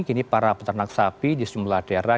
kini para peternak sapi di sejumlah daerah